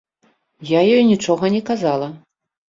Я ёй нічога не казала.